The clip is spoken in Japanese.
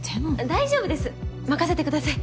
大丈夫です任せてください。